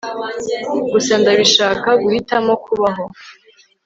Gusa ndabishaka guhitamo kubaho